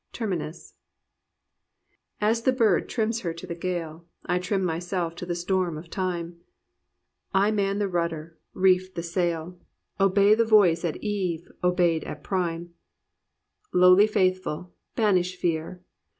Terminus, "As the bird trims her to the gale, I trim myself to the storm of time, I man the rudder, reef the sail, 354 A PURITAN PLUS POETRY Obey the voice at eve obeyed at prime: * Lowly faithful, banish fear.